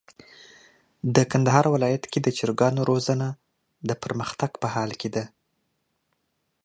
د کندهار ولايت کي د چرګانو روزنه د پرمختګ په حال کي ده.